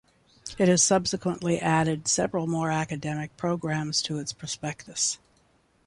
It has subsequently added several more academic programmes to its prospectus.